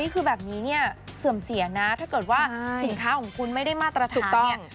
คือแบบนี้เนี่ยเสื่อมเสียนะถ้าเกิดว่าสินค้าของคุณไม่ได้มาตรถูกต้องเนี่ย